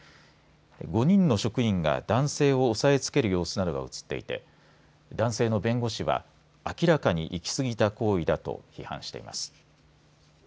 ５人の職員が男性を押さえつける様子などが写っていて男性の弁護士は明らかに行き過ぎた行為だと批判しています。